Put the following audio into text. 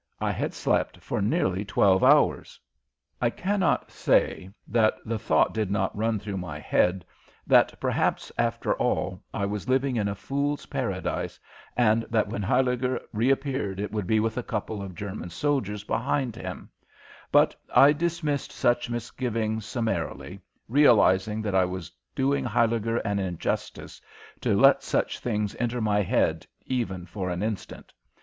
I had slept for nearly twelve hours. I cannot say that the thought did not run through my head that perhaps, after all, I was living in a fool's paradise, and that when Huyliger reappeared it would be with a couple of German soldiers behind him, but I dismissed such misgivings summarily, realizing that I was doing Huyliger an injustice to let such things enter my head even for an instant.